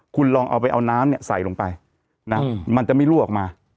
คุณลองเอาไปเอาน้ำใส่ลงไปนะมันจะไม่รั่วออกมา